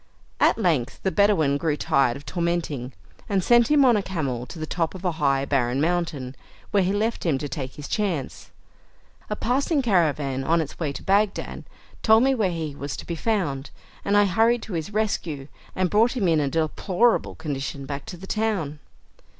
At length the Bedouin grew tired of tormenting, and sent him on a camel to the top of a high barren mountain, where he left him to take his chance. A passing caravan, on its way to Bagdad, told me where he was to be found, and I hurried to his rescue, and brought him in a deplorable condition back to the town.